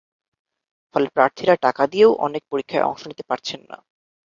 ফলে প্রার্থীরা টাকা দিয়েও অনেক পরীক্ষায় অংশ নিতে পারছেন না।